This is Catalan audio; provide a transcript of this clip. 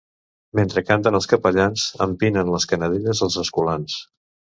Mentre canten els capellans, empinen les canadelles els escolans.